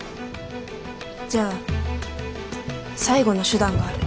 じゃあ最後の手段がある。